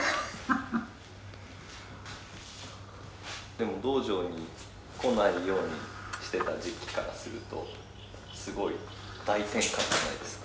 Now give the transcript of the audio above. でも洞場に来ないようにしてた時期からするとすごい大転換じゃないですか。